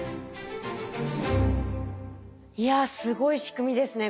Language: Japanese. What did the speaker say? いやすごい仕組みですね